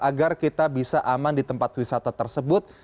agar kita bisa aman di tempat wisata tersebut